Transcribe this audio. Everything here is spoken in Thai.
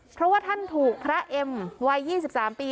เพราะว่าท่านถูกพระเอ็มวัย๒๓ปี